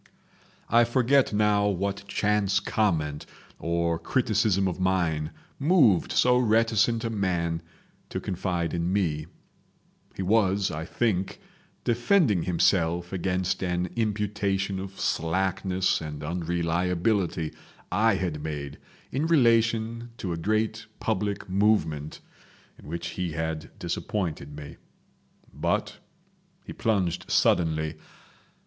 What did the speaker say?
I forget now what chance comment or criticism of mine moved so reticent a man to confide in me. He was, I think, defending himself against an imputation of slackness and unreliability I had made in relation to a great public movement in which he had disappointed me. But he plunged suddenly.